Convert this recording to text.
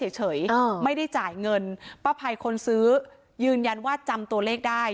ไม่ได้จ่ายเงินป้าภัยคนซื้อยืนยันว่าจำตัวเลขได้